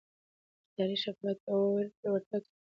اداري شفافیت باور پیاوړی کوي